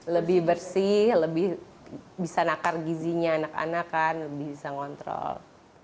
lebih bersih lebih bisa nakar gizinya anak anak kan lebih bisa ngontrol